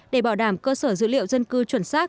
để bảo đảm cơ sở dữ liệu dân cư chuẩn xác